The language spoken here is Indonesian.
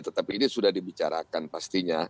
tetapi ini sudah dibicarakan pastinya